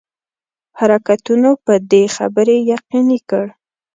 حرکتونو په دې خبري یقیني کړ.